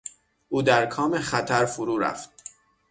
او در کام خطر فرو رفت.